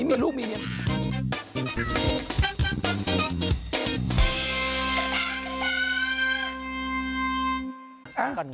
เดี๋ยวกลับมาครับ